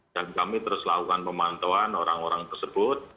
dan kami terus melakukan pemantauan orang orang tersebut